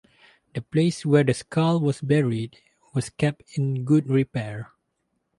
The place where the skull was buried was kept in good repair.